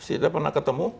saya tidak pernah ketemu